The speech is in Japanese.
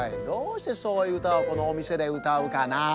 どうしてそういううたをこのおみせでうたうかな？